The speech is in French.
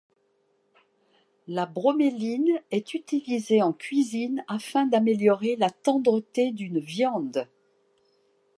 La broméline est utilisée en cuisine afin d'améliorer la tendreté d'une viande.